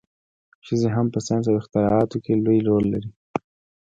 ښځې هم په ساینس او اختراعاتو کې لوی رول لري.